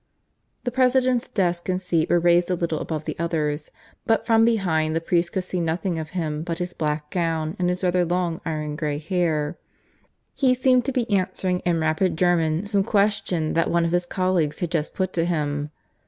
The President's desk and seat were raised a little above the others, but from behind the priest could see nothing of him but his black gown and his rather long iron grey hair; he seemed to be answering in rapid German some question that one of his colleagues had just put to him.